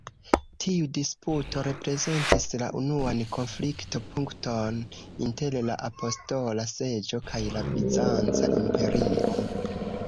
Tiu disputo reprezentis la unuan konflikto-punkton inter la Apostola Seĝo kaj la bizanca imperio.